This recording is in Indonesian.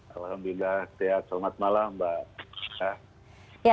alhamdulillah sehat selamat malam mbak